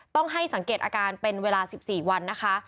ต้องให้สังเกตอาการเป็นเวลา๑๔วันนะคะ